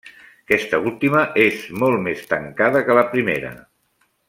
Aquesta última és molt més tancada que la primera.